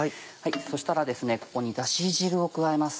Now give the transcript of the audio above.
そしたらここにダシ汁を加えます。